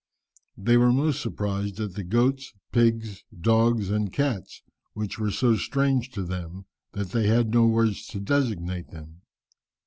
They were most surprised at the goats, pigs, dogs, and cats, which were so strange to them that they had no words to designate them.